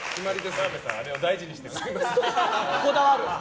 澤部さんはあれを大事にしてる。